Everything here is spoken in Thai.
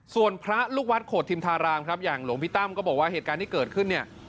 ส่วนพระลูกวัดโขดทิมธารามครับอย่างหลวงพี่ตั้มก็บอกว่าเหตุการณ์ที่เกิดขึ้นเนี่ย